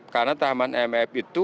karena tahapan mef itu